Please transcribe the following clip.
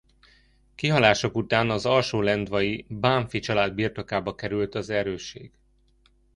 Kihalásuk után az alsólendvai Bánffy család birtokába került az erősség.